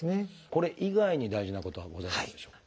これ以外に大事なことはございますでしょうか？